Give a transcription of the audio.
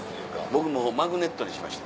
僕もうマグネットにしました。